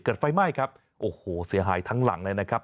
ไฟไหม้ครับโอ้โหเสียหายทั้งหลังเลยนะครับ